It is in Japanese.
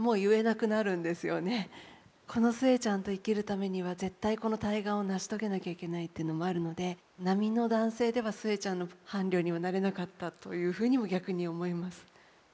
この寿恵ちゃんと生きるためには絶対この大願を成し遂げなきゃいけないというのもあるので並の男性では寿恵ちゃんの伴侶にはなれなかったというふうにも逆に思います。